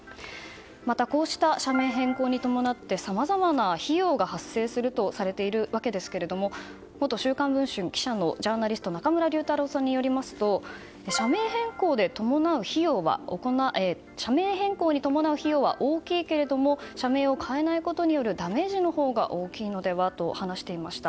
また、こうした社名変更に伴ってさまざまな費用が発生するとされているわけですが元「週刊文春」記者のジャーナリスト中村竜太郎さんによりますと社名変更で伴う費用は大きいけれども社名を変えないことによるダメージのほうが大きいのではと話していました。